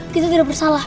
bahaya ini raden